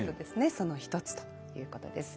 その一つということです。